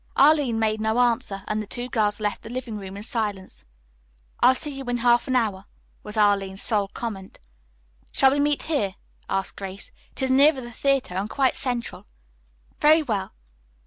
Arline made no answer, and the two girls left the living room in silence. "I'll see you in half an hour," was Arline's sole comment. "Shall we meet here?" asked Grace. "It is nearer the theatre and quite central." "Very well."